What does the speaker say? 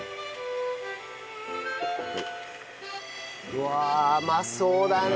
うわ甘そうだね。